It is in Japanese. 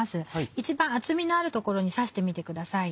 一番厚みのある所に刺してみてください。